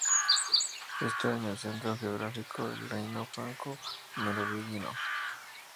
Está en el centro geográfico del reino franco merovingio.